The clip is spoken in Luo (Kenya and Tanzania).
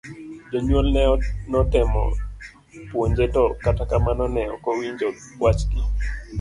Jonyuol ne notemo puonje to kata kamano ne okowinjo wach gi.